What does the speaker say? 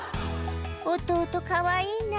「弟かわいいな」